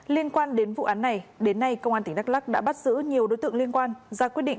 liên quan đến vụ án này đến nay công an tỉnh đắk lắc đã bắt giữ nhiều đối tượng liên quan ra quyết định